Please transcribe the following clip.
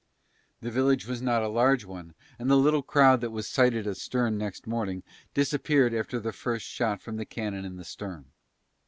The village was not a large one and the little crowd that was sighted astern next morning disappeared after the first shot from the cannon in the stern.